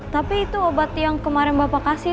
tapi itu obat yang kemarin bapak kasih